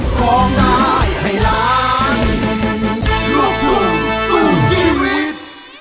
ของได้ให้ร้ายลูกหลุมสู่ชีวิต